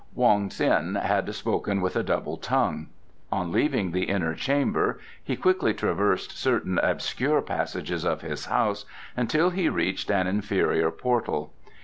Wong Ts'in had spoken with a double tongue. On leaving the inner chamber he quickly traversed certain obscure passages of his house until he reached an inferior portal.